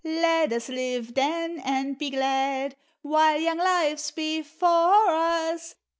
Let us live, then, and be glad While young life's before us!